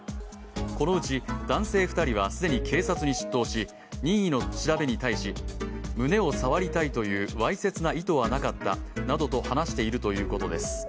このうち男性２人は既に警察に出頭し、任意の調べに対し、胸を触りたいというわいせつな意図はなかったと話しているということです。